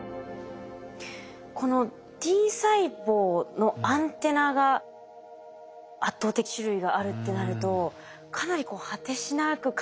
このＴ細胞のアンテナが圧倒的種類があるってなるとかなり果てしなく感じてしまいますね。